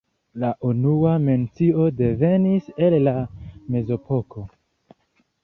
La unua mencio devenis el la mezepoko.